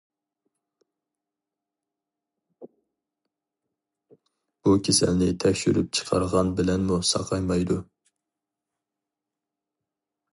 بۇ كېسەلنى تەكشۈرۈپ چىقارغان بىلەنمۇ ساقايمايدۇ.